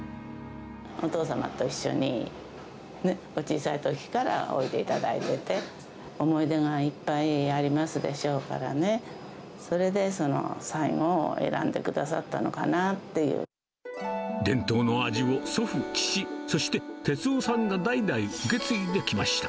お父様と一緒に、お小さいときからおいでいただいてて、思い出がいっぱいありますでしょうからね、それで最後、伝統の味を祖父、父、哲夫さんが代々受け継いできました。